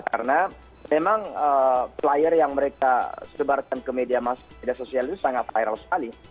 karena memang player yang mereka sebarkan ke media sosial itu sangat viral sekali